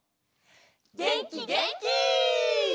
げんきげんき！